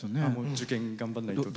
受験、頑張んないと。